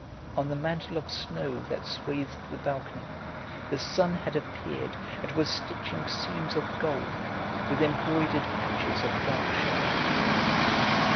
On the mantle of snow that swathed the balcony, the sun had appeared and was stitching seams of gold, with embroidered patches of dark shadow.